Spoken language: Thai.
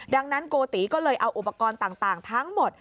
ดังนั้นโกติก็เลยเอาอุปกรณ์ต่างทั้งหมด